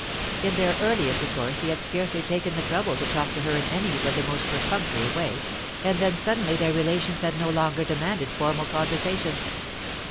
In their early intercourse he had scarcely taken the trouble to talk to her in any but the most perfunctory way, and then suddenly their relations had no longer demanded formal conversation.